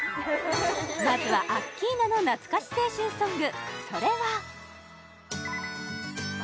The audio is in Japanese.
まずはアッキーナの懐かし青春ソング